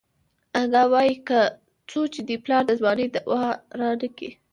اگه وايي څو چې دې پلار د ځوانۍ دوا رانکي.